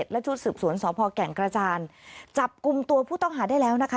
และชุดสืบสวนสพแก่งกระจานจับกลุ่มตัวผู้ต้องหาได้แล้วนะคะ